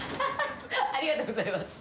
ハハありがとうございます。